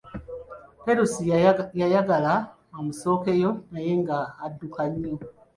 Perusi yayagala amusookeyo naye nga adduka nnyo.